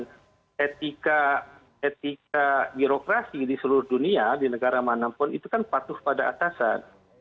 karena etika birokrasi di seluruh dunia di negara manapun itu kan patuh pada atasan